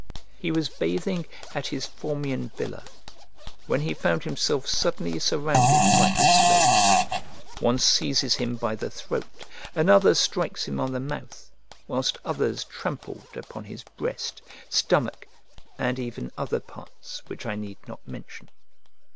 He was bathing at his Formian Villa, when he found himself suddenly surrounded by his slaves; one seizes him by the throat, another strikes him on the mouth, whilst others trampled upon his breast, stomach, and even other parts which I need not mention.